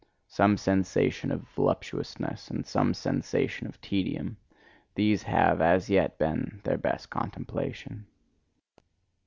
Some sensation of voluptuousness and some sensation of tedium: these have as yet been their best contemplation.